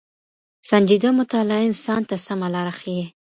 سنجيده مطالعه انسان ته سمه لاره ښيي.